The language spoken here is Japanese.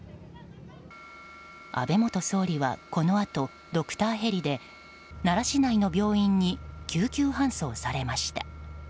安倍元総理はこのあと、ドクターヘリで奈良市内の病院に救急搬送されました。